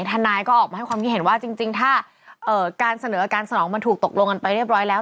ทนายก็ออกมาให้ความคิดเห็นว่าจริงถ้าการเสนอการสนองมันถูกตกลงกันไปเรียบร้อยแล้ว